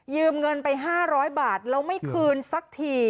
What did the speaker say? เงินไป๕๐๐บาทแล้วไม่คืนสักที